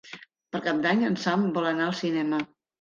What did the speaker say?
Per Cap d'Any en Sam vol anar al cinema.